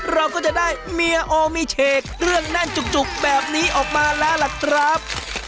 เราก็จะได้เมียโอมิเชคเรื่องแน่นจุกแบบนี้ออกมาแล้วล่ะครับ